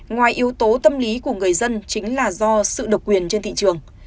ngoài yếu tố tâm lý của người dân chính là do sự độc quyền trên thị trường